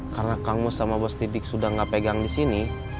karena kang mus sama bos dik dik sudah gak pegang di sini